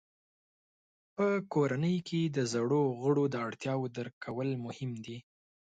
په کورنۍ کې د زړو غړو د اړتیاوو درک کول مهم دي.